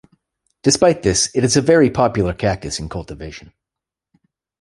Despite this, it is a very popular cactus in cultivation.